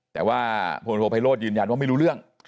แต่ว่าพลโทไพโรธยืนยันว่าไม่รู้เรื่อง